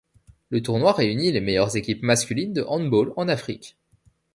Le tournoi réunit les meilleures équipes masculines de handball en Afrique.